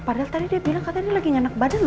padahal dia bilang dia lagi nyana ke badan lho